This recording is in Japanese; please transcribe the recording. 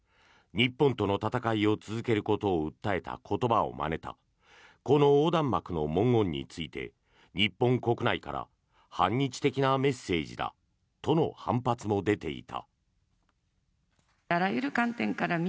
日本との戦いを続けることを訴えた言葉をまねたこの横断幕の文言について日本国内から反日的なメッセージだとの反発も出ていた。